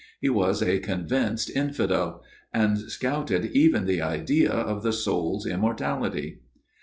He was a convinced infidel ; and scouted even the idea of the soul's immortality.